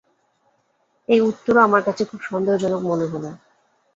এই উত্তরও আমার কাছে খুব সন্দেহজনক মনে হল।